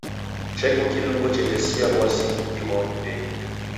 Cheko kilungo chetesia w'asi mungi ghwa nyumbenyi.